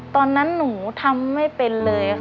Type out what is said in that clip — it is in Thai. ตอนนั้นหนูทำไม่เป็นเลยค่ะ